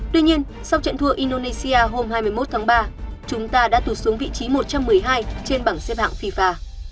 tuy nhiên sau trận thua indonesia hôm hai mươi một tháng ba chúng ta đã tụt xuống vị trí một trăm một mươi hai trên bảng xếp hạng fifa